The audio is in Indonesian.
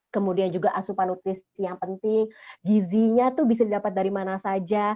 kemudian juga asupanutis yang penting gizinya tuh bisa didapat dari mana saja